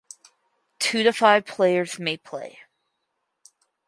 Two to five players may play.